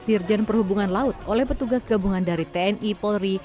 dirjen perhubungan laut oleh petugas gabungan dari tni polri